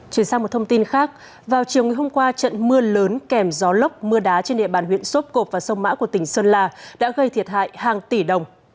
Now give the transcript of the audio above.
chuyển sang một thông tin khác vào chiều ngày hôm qua trận mưa lớn kèm gió lốc mưa đá trên địa bàn huyện sốp cộp và sông mã của tỉnh sơn la đã gây thiệt hại hàng tỷ đồng